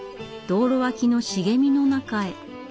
道路脇の茂みの中へ。